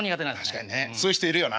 確かにねそういう人いるよな。